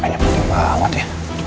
makanya penting banget ya